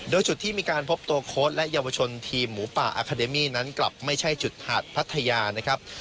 โดยจุดที่มีการพบตัวโค้ดและเยาวชนทีมหมูป่าอาคาเดมี่นั้นกลับไม่ใช่จุดหาดพัทยานะครับ